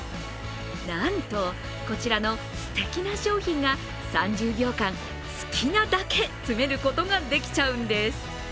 なんと、こちらのすてきな商品が３０秒間、好きなだけ詰めることができちゃうんです。